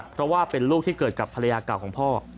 เพราะว่าเป็นลูกที่เกิดกับภรรยาเก่าของพ่อ